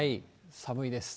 寒いです。